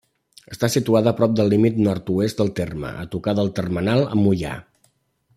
Està situada a prop del límit nord-oest del terme, a tocar del termenal amb Moià.